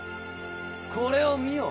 これを見よ。